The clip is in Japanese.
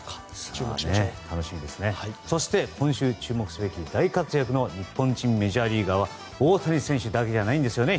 そして、今週注目すべき大活躍の日本人メジャーリーガーは大谷選手だけじゃないんですよね